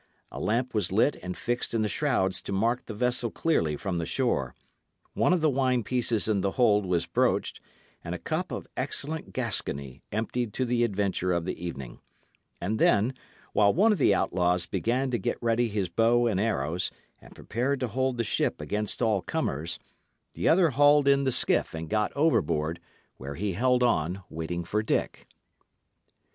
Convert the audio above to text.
A lamp was lit and fixed in the shrouds to mark the vessel clearly from the shore; one of the wine pieces in the hold was broached, and a cup of excellent Gascony emptied to the adventure of the evening; and then, while one of the outlaws began to get ready his bow and arrows and prepare to hold the ship against all comers, the other hauled in the skiff and got overboard, where he held on, waiting for Dick.